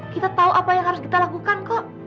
kita tahu apa yang harus kita lakukan kok